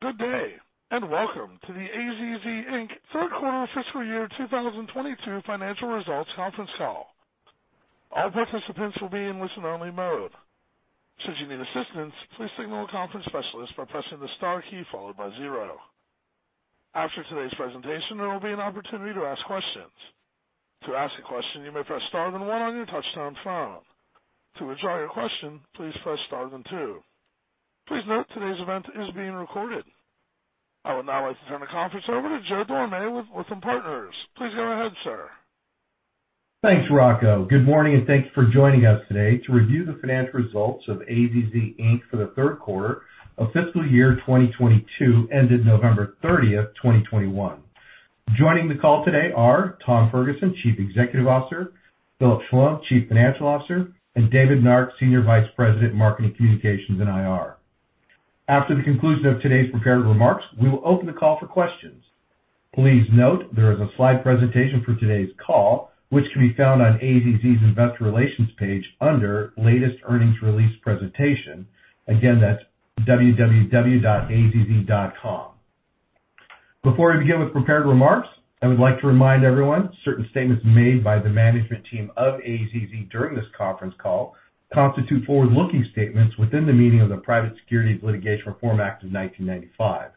Good day, and welcome to the AZZ Inc. third quarter fiscal year 2022 financial results conference call. All participants will be in listen-only mode. Should you need assistance, please signal a conference specialist by pressing the star key followed by zero. After today's presentation, there will be an opportunity to ask questions. To ask a question, you may press star and one on your touchtone phone. To withdraw your question, please press star then two. Please note, today's event is being recorded. I would now like to turn the conference over to Joe Dorame with Lytham Partners. Please go ahead, sir. Thanks, Rocco. Good morning, and thanks for joining us today to review the financial results of AZZ Inc. for the third quarter of fiscal year 2022, ended November 30th, 2021. Joining the call today are Tom Ferguson, Chief Executive Officer, Philip Schlom, Chief Financial Officer, and David Nark, Senior Vice President, Marketing Communications and IR. After the conclusion of today's prepared remarks, we will open the call for questions. Please note, there is a slide presentation for today's call, which can be found on AZZ's Investor Relations page under Latest Earnings Release Presentation. Again, that's www.azz.com. Before we begin with prepared remarks, I would like to remind everyone, certain statements made by the management team of AZZ during this conference call constitute forward-looking statements within the meaning of the Private Securities Litigation Reform Act of 1995.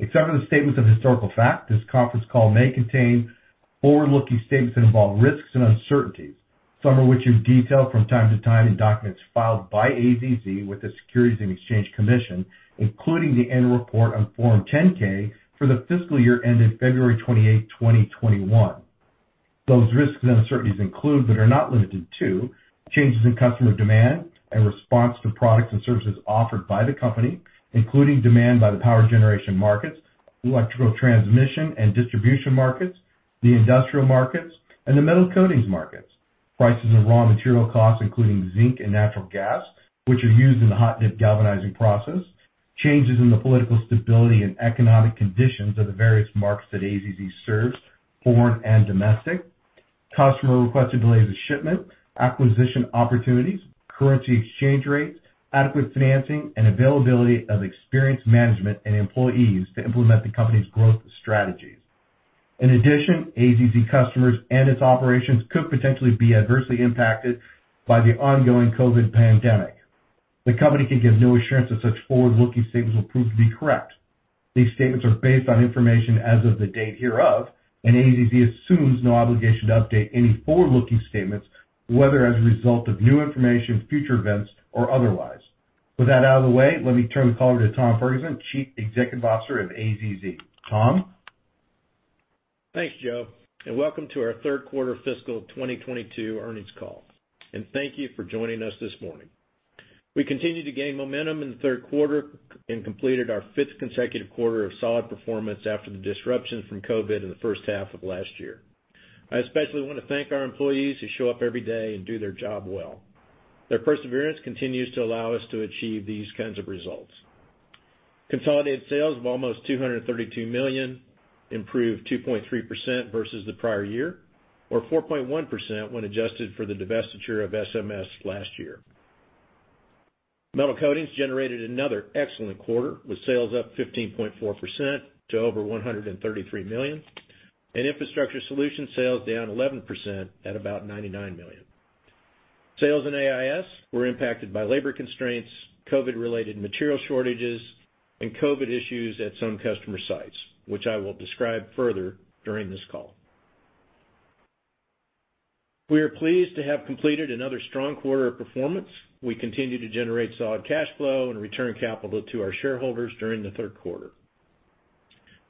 Except for the statements of historical fact, this conference call may contain forward-looking statements that involve risks and uncertainties, some of which are detailed from time to time in documents filed by AZZ with the Securities and Exchange Commission, including the annual report on Form 10-K for the fiscal year ended February 28, 2021. Those risks and uncertainties include, but are not limited to, changes in customer demand and response to products and services offered by the company, including demand by the power generation markets, electrical transmission and distribution markets, the industrial markets, and the Metal Coatings markets. Prices and raw material costs, including zinc and natural gas, which are used in the hot-dip galvanizing process. Changes in the political stability and economic conditions of the various markets that AZZ serves, foreign and domestic. Customer request to delay the shipment, acquisition opportunities, currency exchange rates, adequate financing, and availability of experienced management and employees to implement the company's growth strategies. In addition, AZZ customers and its operations could potentially be adversely impacted by the ongoing COVID pandemic. The company can give no assurance that such forward-looking statements will prove to be correct. These statements are based on information as of the date hereof, and AZZ assumes no obligation to update any forward-looking statements, whether as a result of new information, future events, or otherwise. With that out of the way, let me turn the call over to Tom Ferguson, Chief Executive Officer of AZZ. Tom? Thanks, Joe, and welcome to our third quarter fiscal 2022 earnings call. Thank you for joining us this morning. We continued to gain momentum in the third quarter and completed our fifth consecutive quarter of solid performance after the disruption from COVID in the first half of last year. I especially wanna thank our employees who show up every day and do their job well. Their perseverance continues to allow us to achieve these kinds of results. Consolidated sales of almost $232 million improved 2.3% versus the prior year or 4.1% when adjusted for the divestiture of SMS last year. Metal Coatings generated another excellent quarter, with sales up 15.4% to over $133 million. Infrastructure Solutions sales down 11% at about $99 million. Sales in AIS were impacted by labor constraints, COVID-related material shortages, and COVID issues at some customer sites, which I will describe further during this call. We are pleased to have completed another strong quarter of performance. We continue to generate solid cash flow and return capital to our shareholders during the third quarter.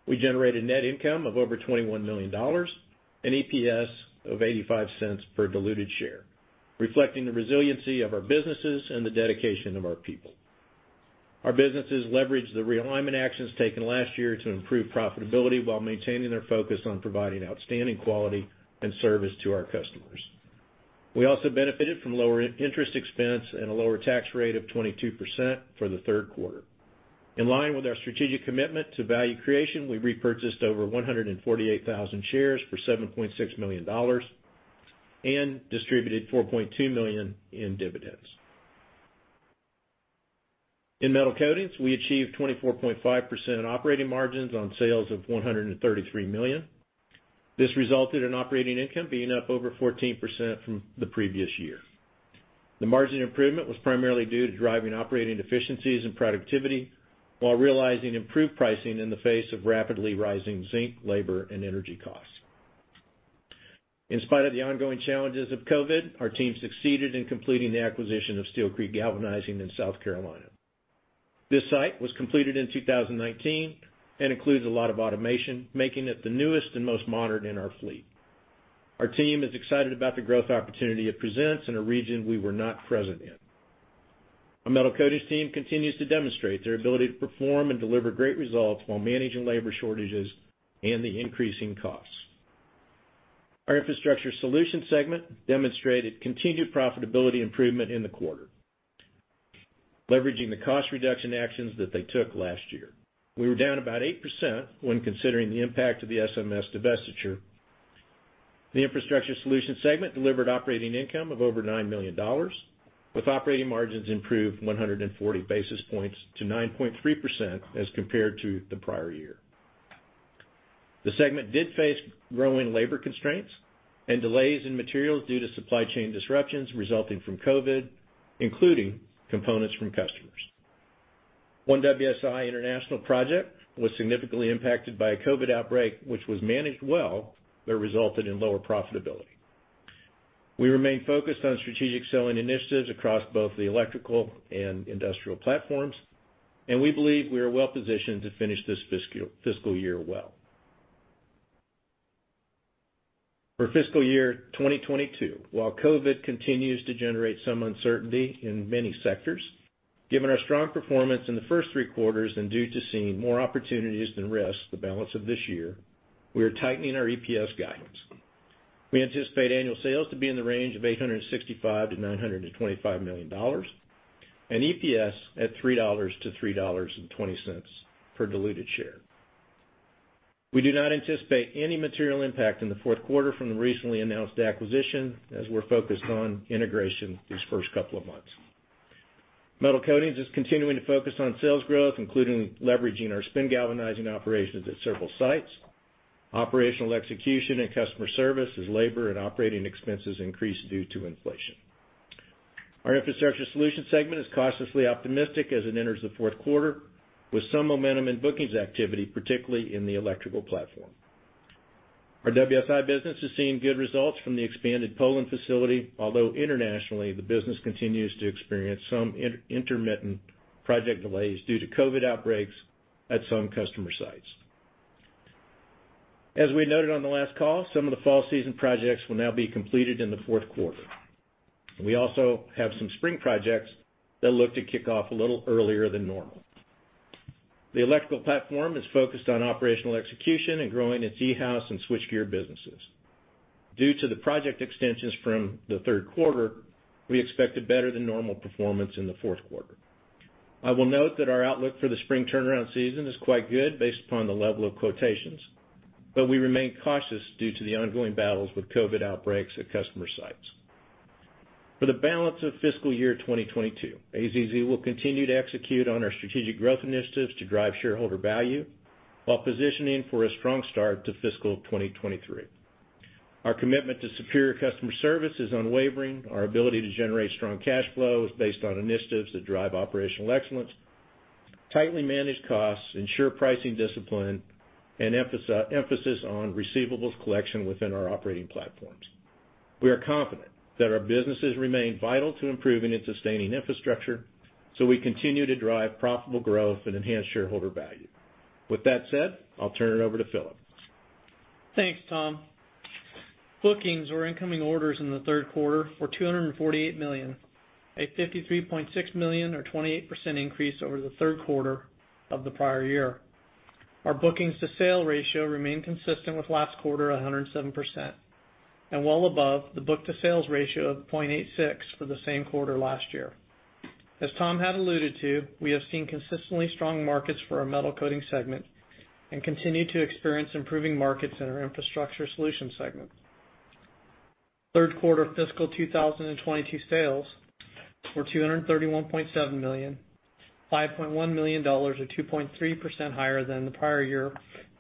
We generated net income of over $21 million and EPS of $0.85 per diluted share, reflecting the resiliency of our businesses and the dedication of our people. Our businesses leveraged the realignment actions taken last year to improve profitability while maintaining their focus on providing outstanding quality and service to our customers. We also benefited from lower interest expense and a lower tax rate of 22% for the third quarter. In line with our strategic commitment to value creation, we repurchased over 148,000 shares for $7.6 million and distributed $4.2 million in dividends. In Metal Coatings, we achieved 24.5% operating margins on sales of $133 million. This resulted in operating income being up over 14% from the previous year. The margin improvement was primarily due to driving operating efficiencies and productivity while realizing improved pricing in the face of rapidly rising zinc, labor, and energy costs. In spite of the ongoing challenges of COVID, our team succeeded in completing the acquisition of Steel Creek Galvanizing in South Carolina. This site was completed in 2019 and includes a lot of automation, making it the newest and most modern in our fleet. Our team is excited about the growth opportunity it presents in a region we were not present in. Our Metal Coatings team continues to demonstrate their ability to perform and deliver great results while managing labor shortages and the increasing costs. Our Infrastructure Solutions segment demonstrated continued profitability improvement in the quarter, leveraging the cost reduction actions that they took last year. We were down about 8% when considering the impact of the SMS divestiture. The Infrastructure Solutions segment delivered operating income of over $9 million, with operating margins improved 140 basis points to 9.3% as compared to the prior year. The segment did face growing labor constraints and delays in materials due to supply chain disruptions resulting from COVID, including components from customers. One WSI international project was significantly impacted by a COVID outbreak, which was managed well, but resulted in lower profitability. We remain focused on strategic selling initiatives across both the electrical and industrial platforms, and we believe we are well positioned to finish this fiscal year well. For fiscal year 2022, while COVID continues to generate some uncertainty in many sectors, given our strong performance in the first three quarters and due to seeing more opportunities than risks the balance of this year, we are tightening our EPS guidance. We anticipate annual sales to be in the range of $865 million-$925 million and EPS at $3-$3.20 per diluted share. We do not anticipate any material impact in the fourth quarter from the recently announced acquisition as we're focused on integrating these first couple of months. Metal Coatings is continuing to focus on sales growth, including leveraging our spin galvanizing operations at several sites, operational execution and customer service as labor and operating expenses increase due to inflation. Our Infrastructure Solutions segment is cautiously optimistic as it enters the fourth quarter, with some momentum in bookings activity, particularly in the electrical platform. Our WSI business is seeing good results from the expanded Poland facility, although internationally, the business continues to experience some intermittent project delays due to COVID outbreaks at some customer sites. As we noted on the last call, some of the fall season projects will now be completed in the fourth quarter. We also have some spring projects that look to kick off a little earlier than normal. The electrical platform is focused on operational execution and growing its e-house and switchgear businesses. Due to the project extensions from the third quarter, we expect a better than normal performance in the fourth quarter. I will note that our outlook for the spring turnaround season is quite good based upon the level of quotations, but we remain cautious due to the ongoing battles with COVID outbreaks at customer sites. For the balance of fiscal year 2022, AZZ will continue to execute on our strategic growth initiatives to drive shareholder value while positioning for a strong start to fiscal 2023. Our commitment to superior customer service is unwavering. Our ability to generate strong cash flow is based on initiatives that drive operational excellence, tightly managed costs, ensure pricing discipline, and emphasis on receivables collection within our operating platforms. We are confident that our businesses remain vital to improving and sustaining infrastructure, so we continue to drive profitable growth and enhance shareholder value. With that said, I'll turn it over to Philip. Thanks, Tom. Bookings or incoming orders in the third quarter were $248 million, a $53.6 million or 28% increase over the third quarter of the prior year. Our bookings to sale ratio remained consistent with last quarter, 107%, and well above the book to sales ratio of 0.86 for the same quarter last year. As Tom had alluded to, we have seen consistently strong markets for our Metal Coatings segment and continue to experience improving markets in our Infrastructure Solutions segment. Third quarter fiscal 2022 sales for $231.7 million, $5.1 million or 2.3% higher than the prior year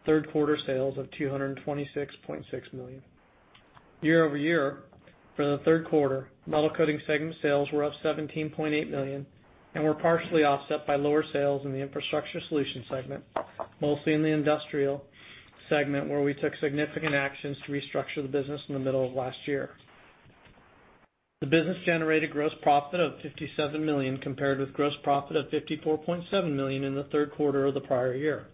third quarter sales of $226.6 million. Year-over-year for the third quarter, Metal Coatings segment sales were up $17.8 million and were partially offset by lower sales in the Infrastructure Solutions segment, mostly in the industrial segment, where we took significant actions to restructure the business in the middle of last year. The business generated gross profit of $57 million, compared with gross profit of $54.7 million in the third quarter of the prior year.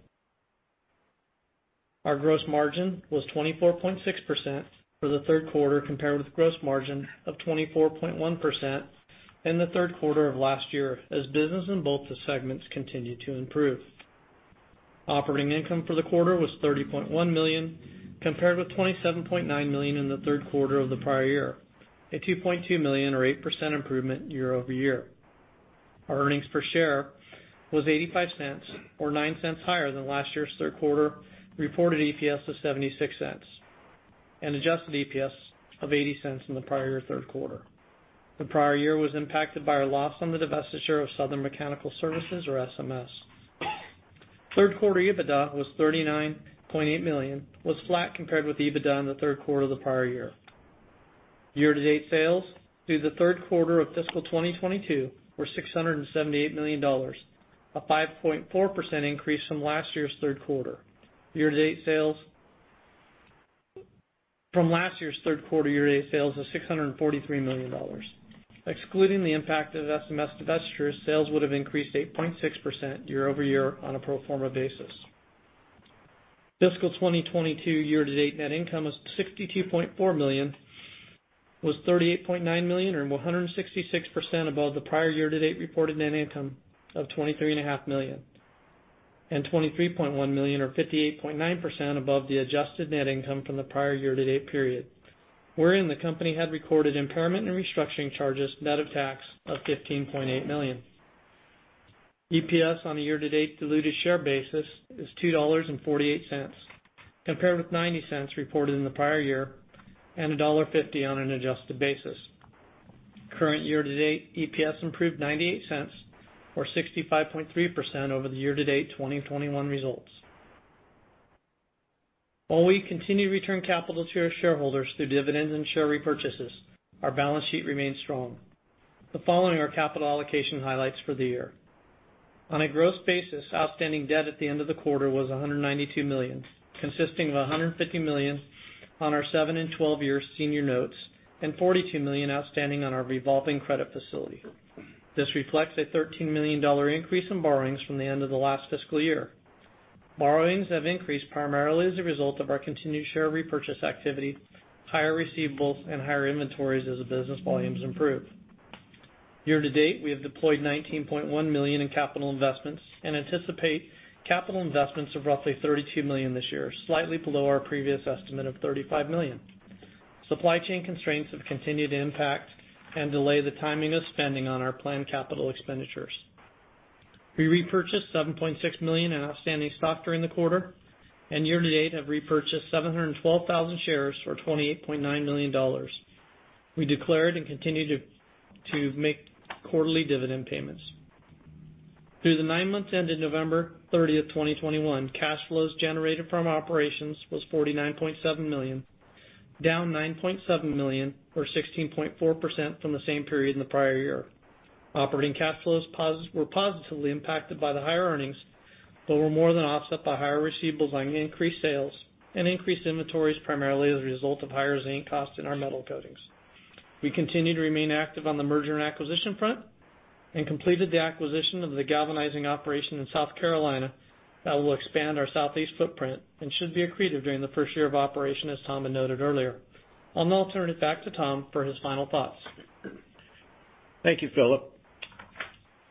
Our gross margin was 24.6% for the third quarter, compared with gross margin of 24.1% in the third quarter of last year as business in both the segments continued to improve. Operating income for the quarter was $30.1 million, compared with $27.9 million in the third quarter of the prior year, a $2.2 million or 8% improvement year-over-year. Our earnings per share was $0.85, or $0.09 higher than last year's third quarter reported EPS of $0.76 and adjusted EPS of $0.80 in the prior year third quarter. The prior year was impacted by our loss on the divestiture of Southern Mechanical Services or SMS. Third quarter EBITDA was $39.8 million, was flat compared with the EBITDA in the third quarter of the prior year. Year to date sales through the third quarter of fiscal 2022 were $678 million, a 5.4% increase from last year's third quarter. From last year's third quarter, year to date sales of $643 million. Excluding the impact of SMS divestiture, sales would have increased 8.6% year-over-year on a pro forma basis. Fiscal 2022 year-to-date net income is $62.4 million, which was $38.9 million, or 166% above the prior year-to-date reported net income of $23.5 million, and $23.1 million or 58.9% above the adjusted net income from the prior year-to-date period, wherein the company had recorded impairment and restructuring charges net of tax of $15.8 million. EPS on a year-to-date diluted share basis is $2.48, compared with $0.90 reported in the prior year, and $1.50 on an adjusted basis. Current year-to-date EPS improved $0.98 or 65.3% over the year-to-date 2021 results. While we continue to return capital to our shareholders through dividends and share repurchases, our balance sheet remains strong. The following are capital allocation highlights for the year. On a gross basis, outstanding debt at the end of the quarter was $192 million, consisting of $150 million on our seven- and twelve-year senior notes, and $42 million outstanding on our revolving credit facility. This reflects a $13 million increase in borrowings from the end of the last fiscal year. Borrowings have increased primarily as a result of our continued share repurchase activity, higher receivables, and higher inventories as the business volumes improve. Year-to-date, we have deployed $19.1 million in capital investments and anticipate capital investments of roughly $32 million this year, slightly below our previous estimate of $35 million. Supply chain constraints have continued to impact and delay the timing of spending on our planned capital expenditures. We repurchased $7.6 million in outstanding stock during the quarter, and year-to-date have repurchased 712,000 shares for $28.9 million. We declared and continue to make quarterly dividend payments. Through the nine months ended November 30th, 2021, cash flows generated from operations was $49.7 million, down $9.7 million or 16.4% from the same period in the prior year. Operating cash flows were positively impacted by the higher earnings, but were more than offset by higher receivables on increased sales and increased inventories, primarily as a result of higher zinc costs in our Metal Coatings. We continue to remain active on the merger and acquisition front and completed the acquisition of the galvanizing operation in South Carolina that will expand our Southeast footprint and should be accretive during the first year of operation, as Tom had noted earlier. I'll now turn it back to Tom for his final thoughts. Thank you, Philip.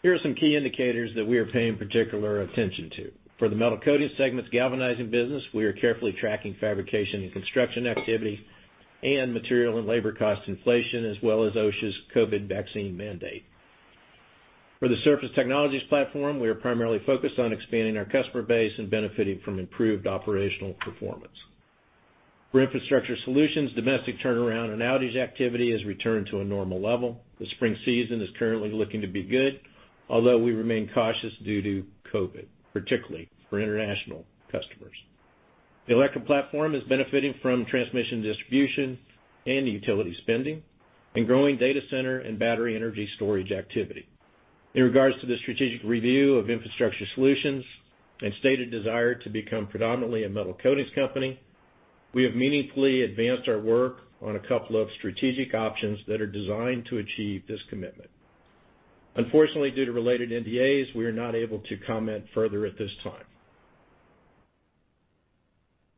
Here are some key indicators that we are paying particular attention to. For the Metal Coatings segment's galvanizing business, we are carefully tracking fabrication and construction activity and material and labor cost inflation, as well as OSHA's COVID vaccine mandate. For the Surface Technologies platform, we are primarily focused on expanding our customer base and benefiting from improved operational performance. For Infrastructure Solutions, domestic turnaround and outage activity has returned to a normal level. The spring season is currently looking to be good, although we remain cautious due to COVID, particularly for international customers. The electric platform is benefiting from transmission and distribution and utility spending and growing data center and battery energy storage activity. In regards to the strategic review of Infrastructure Solutions and stated desire to become predominantly a Metal Coatings company, we have meaningfully advanced our work on a couple of strategic options that are designed to achieve this commitment. Unfortunately, due to related NDAs, we are not able to comment further at this time.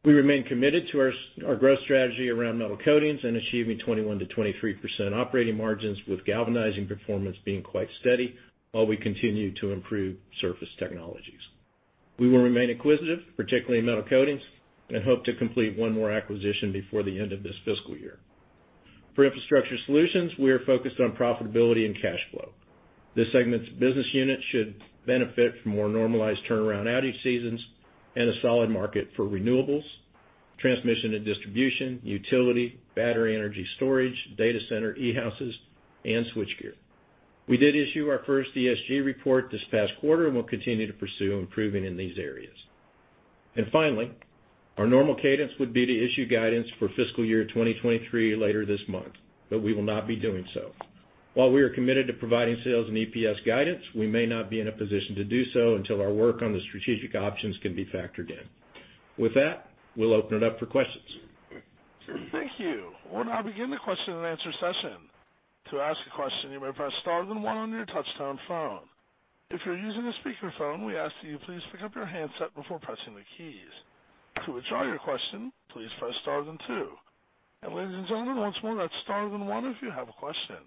We remain committed to our growth strategy around Metal Coatings and achieving 21%-23% operating margins, with galvanizing performance being quite steady while we continue to improve Surface Technologies. We will remain inquisitive, particularly in Metal Coatings, and hope to complete one more acquisition before the end of this fiscal year. For Infrastructure Solutions, we are focused on profitability and cash flow. This segment's business unit should benefit from more normalized turnaround outage seasons and a solid market for renewables, transmission and distribution, utility, battery energy storage, data center e-houses, and switchgear. We did issue our first ESG report this past quarter, and we'll continue to pursue improving in these areas. Finally, our normal cadence would be to issue guidance for fiscal year 2023 later this month, but we will not be doing so. While we are committed to providing sales and EPS guidance, we may not be in a position to do so until our work on the strategic options can be factored in. With that, we'll open it up for questions. Thank you. We'll now begin the question-and-answer session. To ask a question, you may press star then one on your touchtone phone. If you're using a speakerphone, we ask that you please pick up your handset before pressing the keys. To withdraw your question, please press star then two. Ladies and gentlemen, once more, that's star then one if you have a question.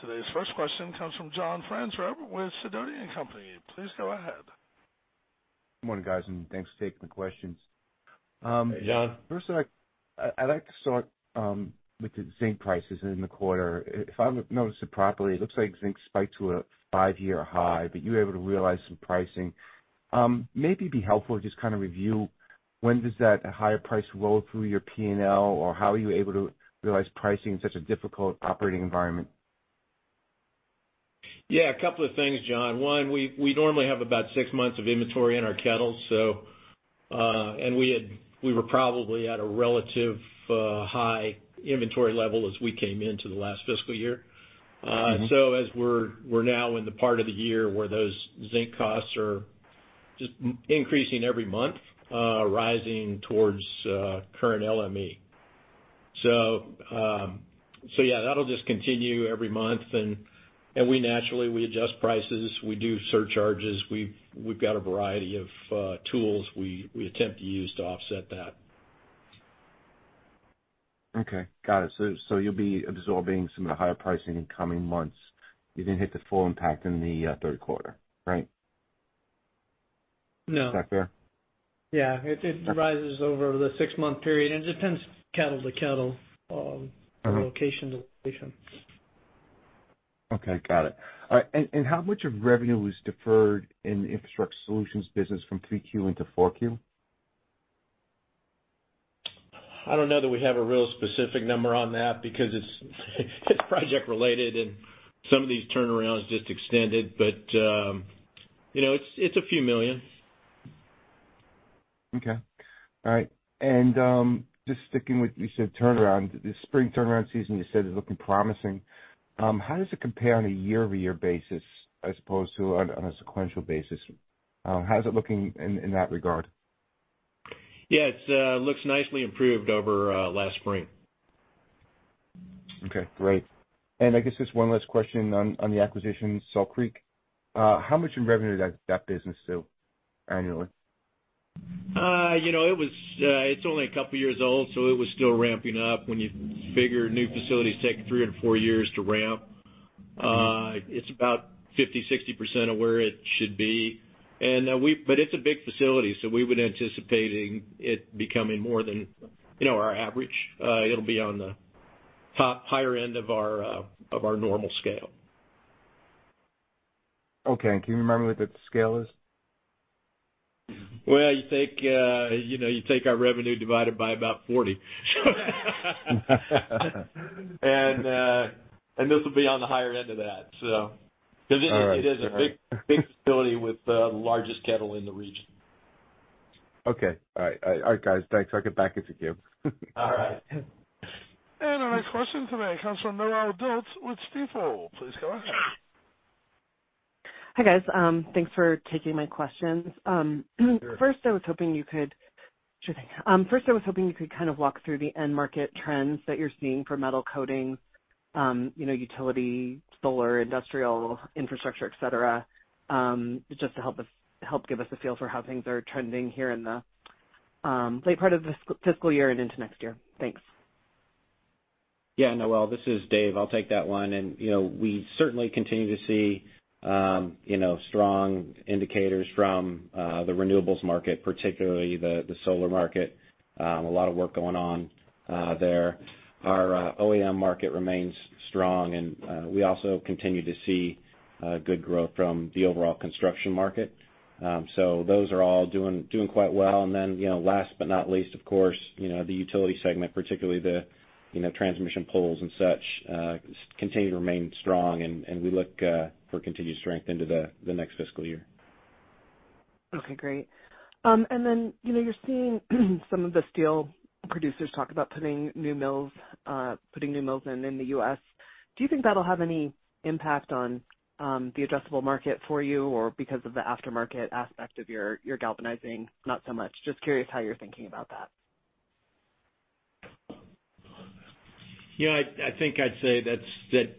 Today's first question comes from John Franzreb with Sidoti & Company. Please go ahead. Good morning, guys, and thanks for taking the questions. Hey, John. First, I'd like to start with the zinc prices in the quarter. If I noticed it properly, it looks like zinc spiked to a five-year high, but you were able to realize some pricing. Maybe it'd be helpful to just kind of review when does that higher price roll through your P&L, or how are you able to realize pricing in such a difficult operating environment? Yeah, a couple of things, John. One, we normally have about six months of inventory in our kettles, so and we were probably at a relative high inventory level as we came into the last fiscal year. Mm-hmm. As we're now in the part of the year where those zinc costs are just increasing every month, rising towards current LME. Yeah, that'll just continue every month, and we naturally adjust prices, we do surcharges. We've got a variety of tools we attempt to use to offset that. Okay. Got it. You'll be absorbing some of the higher pricing in coming months. You didn't hit the full impact in the third quarter, right? No. Is that fair? Yeah. It rises over the six-month period, and it depends cattle to cattle. All right. location to location. Okay. Got it. All right, and how much of revenue was deferred in the Infrastructure Solutions business from 3Q into 4Q? I don't know that we have a real specific number on that because it's project related, and some of these turnarounds just extended. You know, it's a few million. Okay. All right. Just sticking with you said turnaround. The spring turnaround season you said is looking promising. How does it compare on a year-over-year basis as opposed to on a sequential basis? How's it looking in that regard? Yeah. It looks nicely improved over last spring. Okay. Great. I guess just one last question on the acquisition, Steel Creek. How much in revenue does that business do annually? You know, it's only a couple years old, so it was still ramping up. When you figure new facilities take 3 and 4 years to ramp. Mm-hmm. It's about 50%-60% of where it should be. But it's a big facility, so we would anticipating it becoming more than, you know, our average. It'll be on the higher end of our normal scale. Okay. Can you remember what the scale is? Well, you take, you know, our revenue divided by about 40. This will be on the higher end of that, so. All right. 'Cause it is a big facility with the largest kettle in the region. Okay. All right. All right, guys. Thanks. I'll get back into queue. All right. Our next question today comes from Noelle Dilts with Stifel. Please go ahead. Hi, guys. Thanks for taking my questions. Sure thing. First I was hoping you could kind of walk through the end market trends that you're seeing for Metal Coatings, you know, utility, solar, industrial infrastructure, et cetera, just to help give us a feel for how things are trending here in the late part of the fiscal year and into next year. Thanks. Noelle, this is Dave. I'll take that one. You know, we certainly continue to see strong indicators from the renewables market, particularly the solar market. A lot of work going on there. Our OEM market remains strong, and we also continue to see good growth from the overall construction market. Those are all doing quite well. You know, last but not least, of course, you know, the utility segment, particularly the transmission poles and such, continue to remain strong, and we look for continued strength into the next fiscal year. Okay. Great. You know, you're seeing some of the steel producers talk about putting new mills in the U.S. Do you think that'll have any impact on the adjacent market for you or because of the aftermarket aspect of your galvanizing? Not so much. Just curious how you're thinking about that. You know, I think I'd say that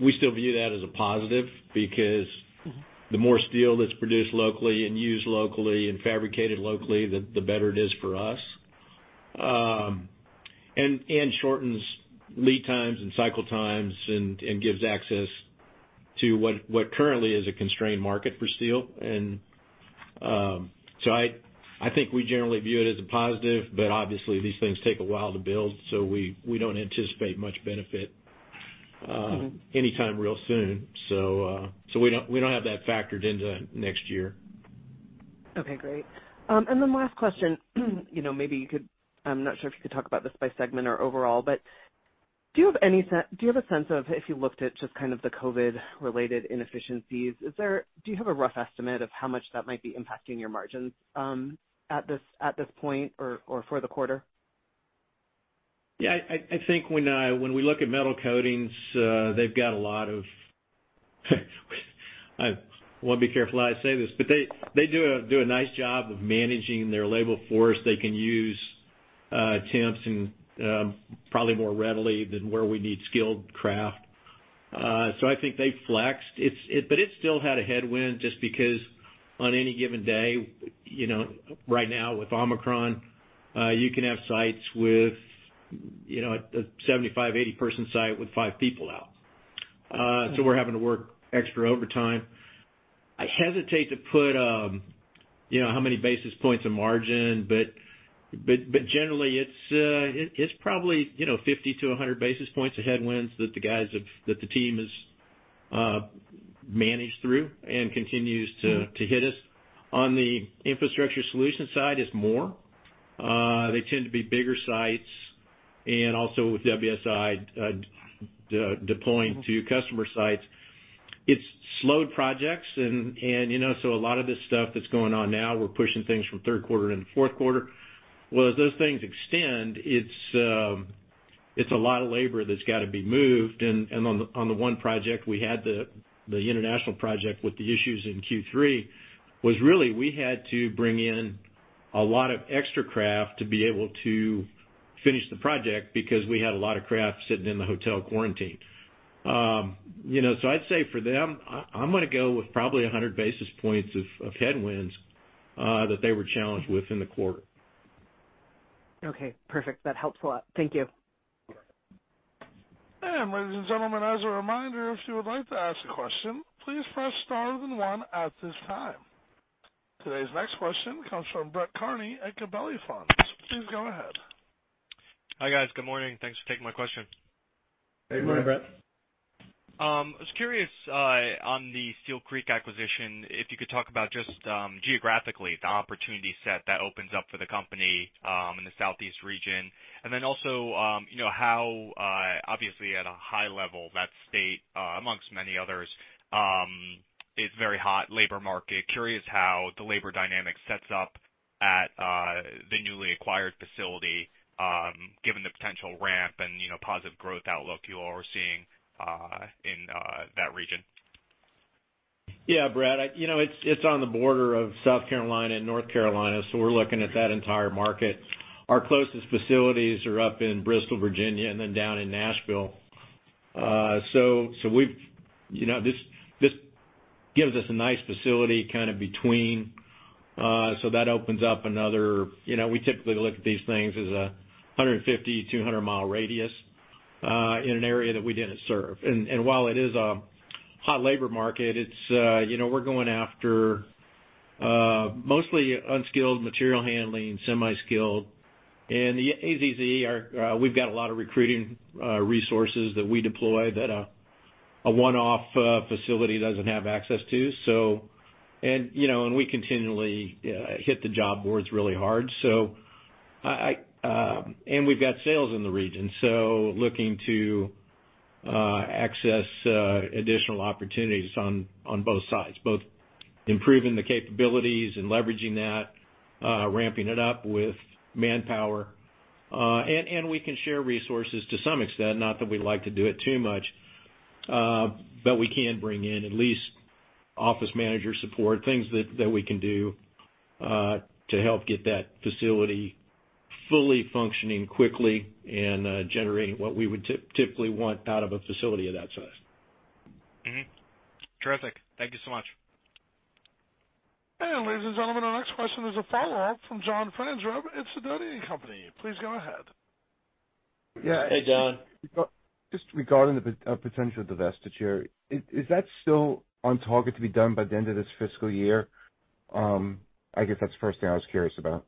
we still view that as a positive because. Mm-hmm.... the more steel that's produced locally and used locally and fabricated locally, the better it is for us. Shortens lead times and cycle times and gives access to what currently is a constrained market for steel. I think we generally view it as a positive, but obviously these things take a while to build, so we don't anticipate much benefit. Mm-hmm. Anytime real soon. We don't have that factored into next year. Okay, great. Last question. You know, maybe you could. I'm not sure if you could talk about this by segment or overall. Do you have a sense of if you looked at just kind of the COVID-related inefficiencies? Do you have a rough estimate of how much that might be impacting your margins at this point or for the quarter? Yeah. I think when we look at Metal Coatings, they've got a lot of. I wanna be careful how I say this, but they do a nice job of managing their labor force. They can use temps and probably more readily than where we need skilled craft. So I think they flexed. But it still had a headwind just because on any given day, you know, right now with Omicron, you can have sites with, you know, a 75-80-person site with 5 people out. So we're having to work extra overtime. I hesitate to put, you know, how many basis points of margin, but generally it's probably, you know, 50-100 basis points of headwinds that the team has managed through and continues to. Mm-hmm.... to hit us. On the Infrastructure Solutions side, it's more. They tend to be bigger sites and also with WSI deploying to customer sites. It's slowed projects and you know so a lot of this stuff that's going on now, we're pushing things from third quarter into fourth quarter. Well, as those things extend, it's a lot of labor that's gotta be moved. On the one project, we had the international project with the issues in Q3 was really we had to bring in a lot of extra craft to be able to finish the project because we had a lot of craft sitting in the hotel quarantined. You know, so I'd say for them, I'm gonna go with probably 100 basis points of headwinds that they were challenged with in the quarter. Okay. Perfect. That helps a lot. Thank you. Ladies and gentlemen, as a reminder, if you would like to ask a question, please press star then one at this time. Today's next question comes from Brett Kearney at Gabelli Funds. Please go ahead. Hi, guys. Good morning. Thanks for taking my question. Good morning, Brett. I was curious on the Steel Creek acquisition if you could talk about just geographically the opportunity set that opens up for the company in the Southeast region. Then also you know how obviously at a high level that state amongst many others is very hot labor market. Curious how the labor dynamic sets up at the newly acquired facility given the potential ramp and you know positive growth outlook you all are seeing in that region. Yeah. Brett, you know, it's on the border of South Carolina and North Carolina, so we're looking at that entire market. Our closest facilities are up in Bristol, Virginia, and then down in Nashville. You know, this gives us a nice facility kinda between, so that opens up another. You know, we typically look at these things as a 150 mi-200 mi radius in an area that we didn't serve. While it is a hot labor market, you know, we're going after mostly unskilled material handling, semi-skilled. As AZZ, we've got a lot of recruiting resources that we deploy that a one-off facility doesn't have access to. You know, we continually hit the job boards really hard. We've got sales in the region, looking to access additional opportunities on both sides, both improving the capabilities and leveraging that, ramping it up with manpower. We can share resources to some extent, not that we like to do it too much, but we can bring in at least office manager support, things that we can do to help get that facility fully functioning quickly and generating what we would typically want out of a facility of that size. Mm-hmm. Terrific. Thank you so much. Ladies and gentlemen, our next question is a follow-up from John Franzreb from Sidoti & Company. Please go ahead. Yeah. Hey, John. Just regarding the potential divestiture, is that still on target to be done by the end of this fiscal year? I guess that's the first thing I was curious about.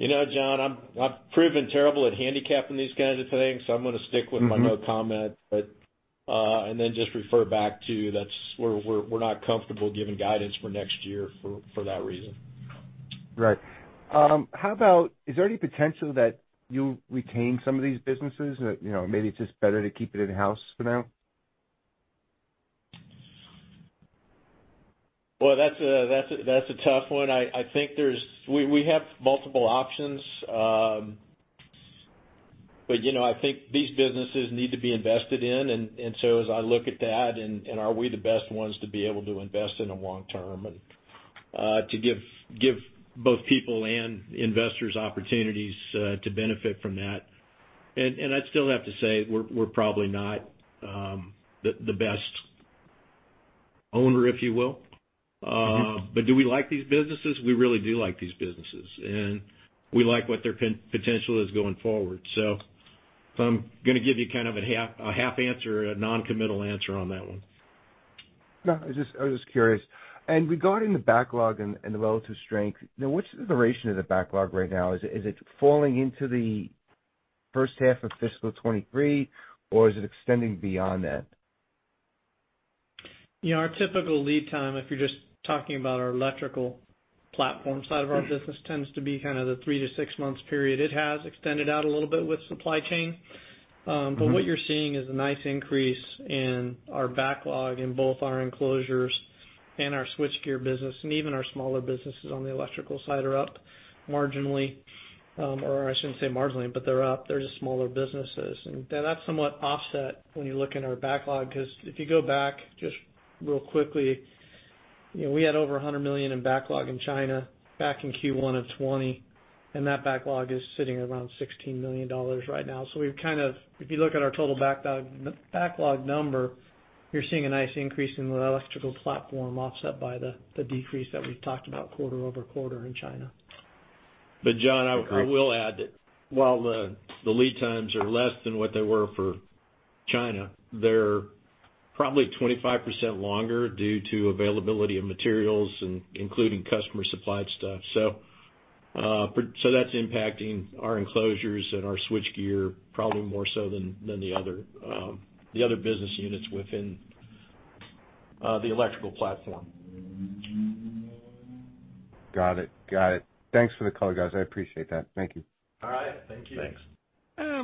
You know, John, I've proven terrible at handicapping these kinds of things, so I'm gonna stick with my no comment. Just refer back to that. That's where we're not comfortable giving guidance for next year for that reason. Right. How about, is there any potential that you retain some of these businesses that, you know, maybe it's just better to keep it in-house for now? Well, that's a tough one. I think there's... We have multiple options. But, you know, I think these businesses need to be invested in. So as I look at that and are we the best ones to be able to invest in them long term and to give both people and investors opportunities to benefit from that. I'd still have to say we're probably not the best owner, if you will. But do we like these businesses? We really do like these businesses, and we like what their potential is going forward. I'm gonna give you kind of a half answer, a non-committal answer on that one. No, I just, I was just curious. Regarding the backlog and the relative strength, now, which is the ratio of the backlog right now? Is it falling into the first half of fiscal 2023, or is it extending beyond that? You know, our typical lead time, if you're just talking about our electrical platform side of our business, tends to be kind of the 3-6 months period. It has extended out a little bit with supply chain. But what you're seeing is a nice increase in our backlog in both our enclosures and our switchgear business, and even our smaller businesses on the electrical side are up marginally. Or I shouldn't say marginally, but they're up. They're just smaller businesses. That's somewhat offset when you look in our backlog, 'cause if you go back just real quickly, you know, we had over $100 million in backlog in China back in Q1 of 2020, and that backlog is sitting around $16 million right now. We've kind of... If you look at our total backlog and backlog number, you're seeing a nice increase in the electrical platform offset by the decrease that we've talked about quarter-over-quarter in China. John, I will add that while the lead times are less than what they were for China, they're probably 25% longer due to availability of materials, including customer supplied stuff. So that's impacting our enclosures and our switchgear probably more so than the other business units within the electrical platform. Got it. Got it. Thanks for the color, guys. I appreciate that. Thank you. All right. Thank you. Thanks.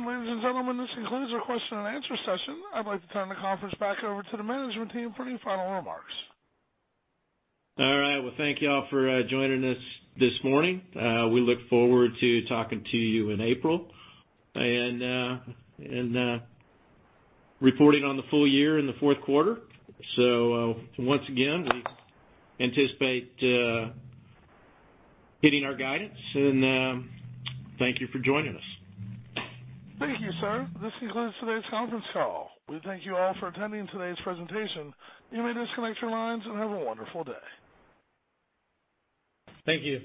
Ladies and gentlemen, this concludes our question and answer session. I'd like to turn the conference back over to the management team for any final remarks. All right. Well, thank y'all for joining us this morning. We look forward to talking to you in April and reporting on the full year in the fourth quarter. Once again, we anticipate hitting our guidance and thank you for joining us. Thank you, sir. This concludes today's conference call. We thank you all for attending today's presentation. You may disconnect your lines and have a wonderful day. Thank you.